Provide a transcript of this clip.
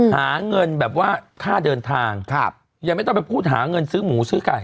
หาเงินแบบว่าค่าเดินทางยังไม่ต้องไปพูดหาเงินซื้อหมูซื้อไก่